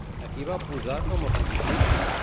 A qui va posar com a prototip?